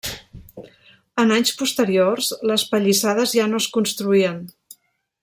En anys posteriors, les palissades ja no es construïen.